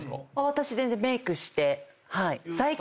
私全然メイクして。